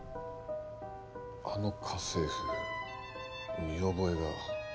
あの家政婦見覚えが。